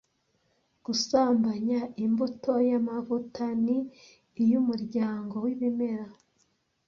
Gusambanya imbuto yamavuta ni iyumuryango wibimera